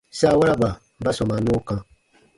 Saawaraba ba sɔmaa nɔɔ kã.